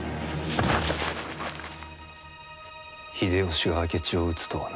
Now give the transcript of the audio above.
秀吉が明智を討つとはな。